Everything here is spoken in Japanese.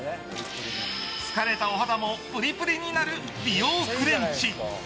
疲れたお肌もプリプリになる美容フレンチ。